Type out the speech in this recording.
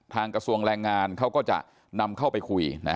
กระทรวงแรงงานเขาก็จะนำเข้าไปคุย